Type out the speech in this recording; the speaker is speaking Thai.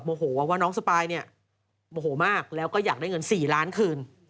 โหว่าน้องสปายเนี่ยโมโหมากแล้วก็อยากได้เงิน๔ล้านคืน